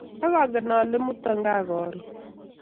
Ak angen ale 'muta ga karun